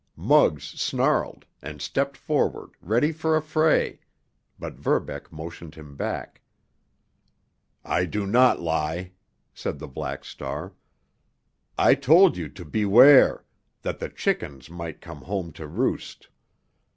Muggs snarled, and stepped forward, ready for a fray, but Verbeck motioned him back. "I do not lie," said the Black Star. "I told you to beware, that the chickens might come home to roost.